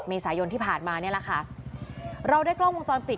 เมษายนที่ผ่านมาเนี่ยแหละค่ะเราได้กล้องวงจรปิด